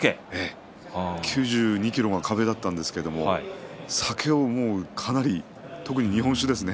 ９２ｋｇは壁だったんですが酒をかなり特に日本酒ですね。